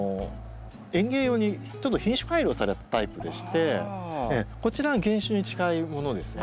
園芸用にちょっと品種改良されたタイプでしてこちらが原種に近いものですね。